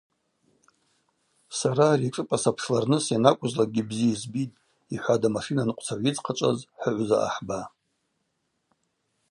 Сара ари ашӏыпӏа сапшларныс йанакӏвызлакӏгьи бзи йызбитӏ,–йхӏватӏ, амашинанкъвцагӏв йыдзхъачӏваз хӏыгӏвза ахӏба.